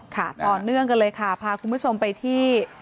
ต่อเนื่องกันเลยค่ะพาคุณผู้ชมไปที่